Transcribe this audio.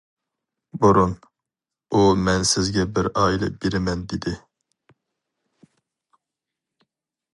بۇرۇن، ئۇ مەن سىزگە بىر ئائىلە بېرىمەن دېدى.